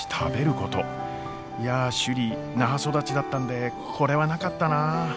いや首里那覇育ちだったんでこれはなかったなあ。